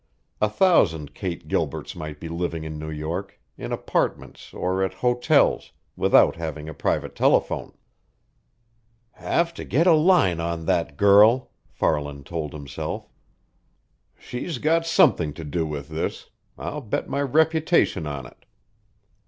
A thousand Kate Gilberts might be living in New York, in apartments or at hotels, without having a private telephone. "Have to get a line on that girl!" Farland told himself. "She's got something to do with this. I'll bet my reputation on it."